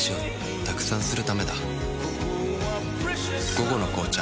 「午後の紅茶」